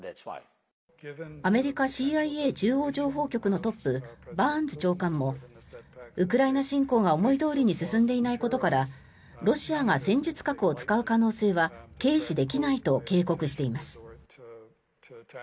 アメリカＣＩＡ・中央情報局のトップバーンズ長官もウクライナ侵攻が思いどおりに進んでいないことからロシアが戦術核を使う可能性は軽視できないと警告しています。